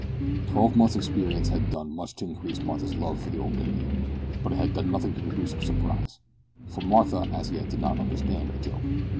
Twelve months' experience had done much to increase Martha's love for the old lady, but it had done nothing to reduce her surprise; for Martha, as yet, did not understand a joke.